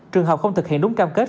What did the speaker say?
trường học không thực hiện đúng cam kết